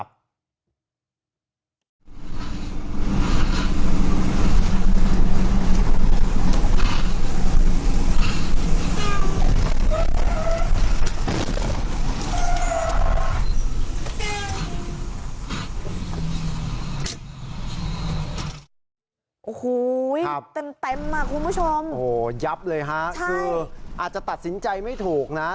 โอ้โหเต็มเต็มอ่ะคุณผู้ชมโอ้โหยับเลยฮะคืออาจจะตัดสินใจไม่ถูกนะ